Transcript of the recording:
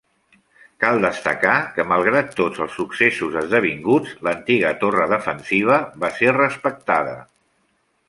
Cal destacar que malgrat tots els successos esdevinguts, l'antiga torre defensiva va ser respectada.